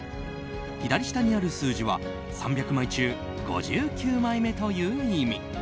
左下にある数字は３００枚中５９枚目という意味。